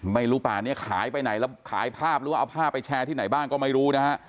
ป่านี้ขายไปไหนแล้วขายภาพหรือว่าเอาภาพไปแชร์ที่ไหนบ้างก็ไม่รู้นะฮะ